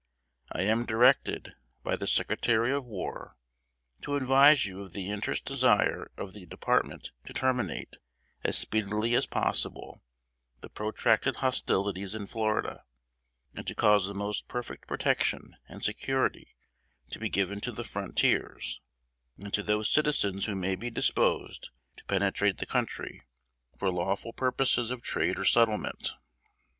"I am directed, by the Secretary of War, to advise you of the earnest desire of the Department to terminate, as speedily as possible, the protracted hostilities in Florida, and to cause the most perfect protection and security to be given to the frontiers, and to those citizens who may be disposed to penetrate the country, for lawful purposes of trade or settlement.